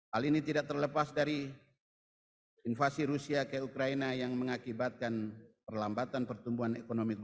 hal ini tidak terlepas dari invasi rusia ke ukraina yang mengakibatkan perlambatan pertumbuhan ekonomi